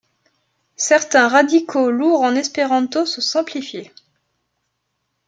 Certains radicaux lourds en espéranto sont simplifiés.